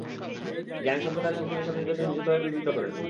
জ্ঞানী সম্প্রদায়ের জন্য তিনি এসব নিদর্শন বিশদভাবে বিবৃত করেন।